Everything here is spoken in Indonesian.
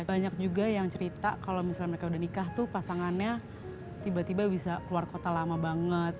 banyak juga yang cerita kalau misalnya mereka udah nikah tuh pasangannya tiba tiba bisa keluar kota lama banget